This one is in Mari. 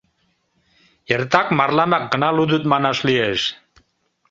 — Эртак марламак гына лудыт, манаш лиеш...